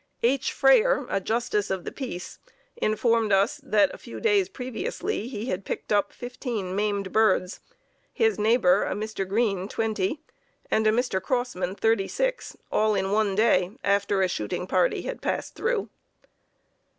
H. Frayer, a justice of the peace, informed us that a few days previously he had picked up fifteen maimed birds, his neighbor, a Mr. Green, twenty, and a Mr. Crossman, thirty six, all in one day, after a shooting party had passed through.